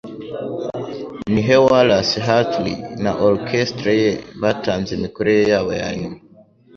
Ni he Wallace Hartley na orchestre ye batanze imikorere yabo ya nyuma?